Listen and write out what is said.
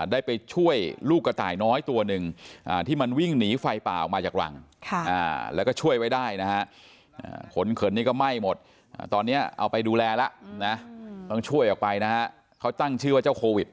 เอาไปดูแลแล้วนะต้องช่วยออกไปนะครับเขาตั้งชื่อว่าเจ้าโควิด